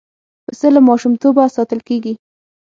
پسه له ماشومتوبه ساتل کېږي.